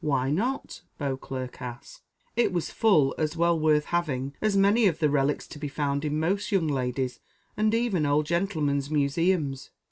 "Why not?" Beauclerc asked, "it was full as well worth having as many of the relics to be found in most young ladies' and even old gentlemen's museums.